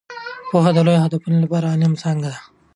پوهه د لوی هدفونو لپاره د علم څانګه ده.